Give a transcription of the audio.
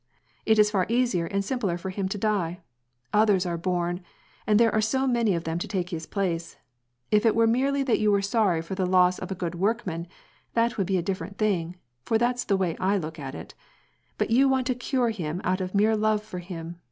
It is far easier and simpler for him to die. Others are bom, and there are so many of them to take his place ! If it were merely that you were sorry for the loss of a good workman, that would be a different thing, — for that'sthe way I look at it, but you want to cure him out of mere love for him.